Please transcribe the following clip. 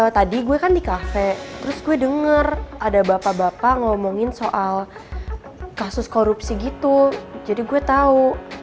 tadi gue kan di kafe terus gue denger ada bapak bapak ngomongin soal kasus korupsi gitu jadi gue tau